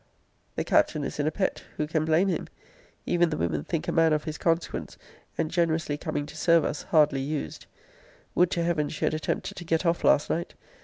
The Captain is in a pet. Who can blame him? Even the women think a man of his consequence, and generously coming to serve us, hardly used. Would to heaven she had attempted to get off last night!